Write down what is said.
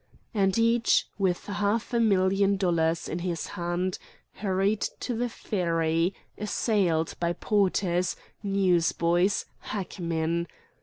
And each, with half a million dollars in his hand, hurried to the ferry, assailed by porters, news boys, hackmen.